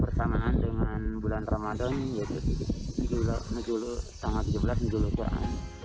persamaan dengan bulan ramadan yaitu di bulan nujul tanggal tiga belas nujul